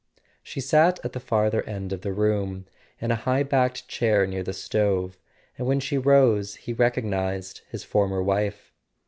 She sat at the farther end of the room, in a high backed chair near the stove, and when she rose he recognized his former wife.